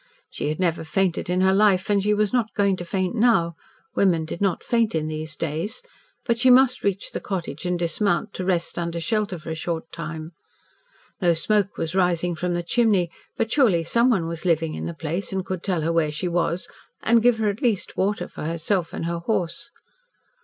She had never fainted in her life, and she was not going to faint now women did not faint in these days but she must reach the cottage and dismount, to rest under shelter for a short time. No smoke was rising from the chimney, but surely someone was living in the place, and could tell her where she was, and give her at least water for herself and her horse.